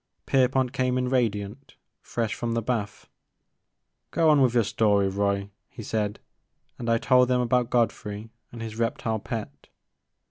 Pierpont came in radiant, fresh from the bath. Go on with your story, Roy,'* he said ; and I told them about Godfrey and his reptile pet.